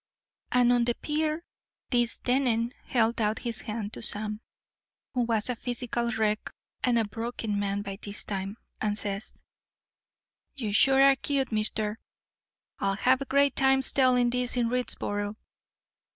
"And on the pier this Dennen held out his hand to Sam, who was a physical wreck and a broken man by this time, and says: 'You sure are cute, mister. I'll have great times telling this in Readsboro.